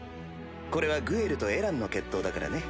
これはグエルとエランの決闘だからね。